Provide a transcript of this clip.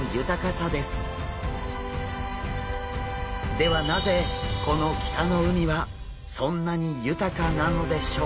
ではなぜこの北の海はそんなに豊かなのでしょうか？